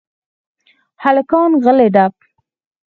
هلکان غلي دپ .